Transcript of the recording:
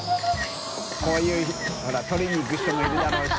海Δいほら撮りに行く人もいるだろうし。